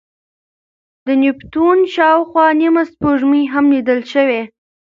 د نیپتون شاوخوا نیمه سپوږمۍ هم لیدل شوې.